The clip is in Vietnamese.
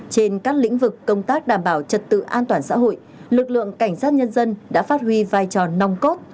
trên các lĩnh vực công tác đảm bảo trật tự an toàn xã hội lực lượng cảnh sát nhân dân đã phát huy vai trò nòng cốt